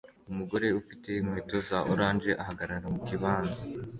Umugore ufite inkweto za orange ahagarara mukibanza